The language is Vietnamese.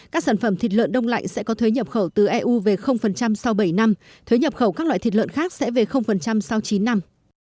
các sản phẩm thịt lợn đông lạnh sẽ có thuế nhập khẩu từ eu về sau bảy năm thuế nhập khẩu các loại thịt lợn khác sẽ về sau chín năm